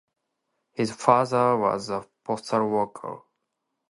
His father was a postal worker.